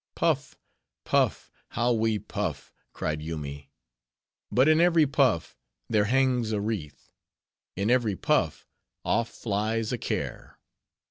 "Puff! puff! how we puff," cried Yoomy. "But in every puff, there hangs a wreath. In every puff, off flies a care."